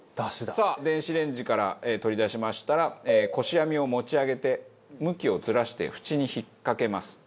さあ電子レンジから取り出しましたらこし網を持ち上げて向きをずらして縁に引っかけます。